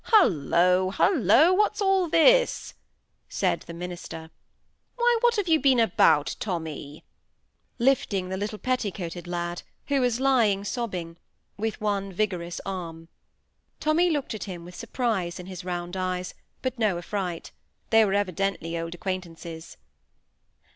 "Hollo! Hollo! What's all this?" said the minister. "Why, what have you been about, Tommy," lifting the little petticoated lad, who was lying sobbing, with one vigorous arm. Tommy looked at him with surprise in his round eyes, but no affright—they were evidently old acquaintances.